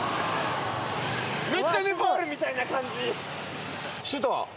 めっちゃネパールみたいな感じ。